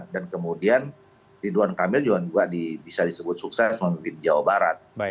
dan kemudian ridwan kamil juga bisa disebut sukses memimpin jawa barat